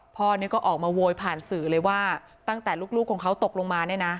พ่อเนี่ยก็ออกมาโวยผ่านสื่อเลยว่าตั้งแต่ลูกของเขาตกลงมาเนี่ยนะ